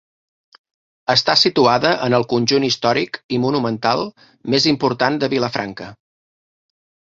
Està situada en el conjunt històric i monumental més important de Vilafranca.